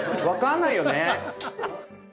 分かんないよね。